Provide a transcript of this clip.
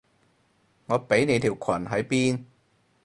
我畀你條裙喺邊？